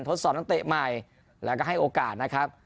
ทดสอบนักเตะใหม่แล้วก็ให้โอกาสนะครับ